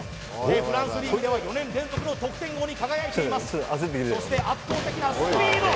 フランスリーグでは４年連続の得点王に輝いていますそして圧倒的なスピード！